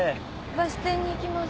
バス停に行きます。